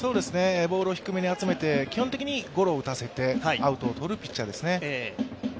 ボールを低めに集めて基本的にゴロを打たせてアウトを取るピッチャーですね。